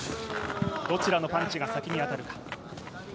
どちらのパンチが先に当たるか。